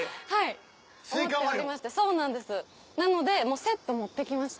なのでセット持ってきました。